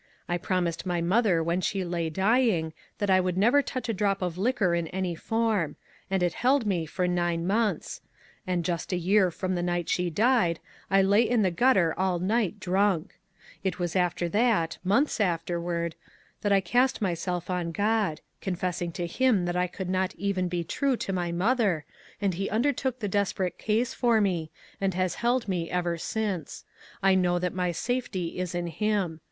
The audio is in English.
I promised my mother when she lay dying that I would never touch a drop of liquor in any form ; and it held me for nine months ; and just a year from the night she died, I lay in the gutter all night drunk ! It was after that, months afterward, that I cast myself on God; coufessiug to him LOGIC. II/ that I could not even be true to my mother, and he undertook the desperate case for me, and has held me ever since. I know that my safety is in him.